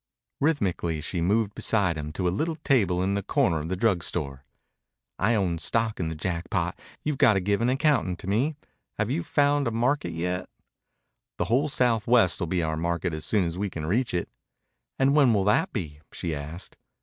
Rhythmically she moved beside him to a little table in the corner of the drug store. "I own stock in the Jackpot. You've got to give an accounting to me. Have you found a market yet?" "The whole Southwest will be our market as soon as we can reach it." "And when will that be?" she asked.